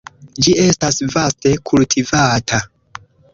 Ĝi estas vaste kultivata.